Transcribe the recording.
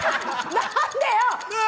何でよ！